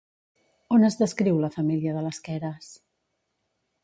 On es descriu la família de les Keres?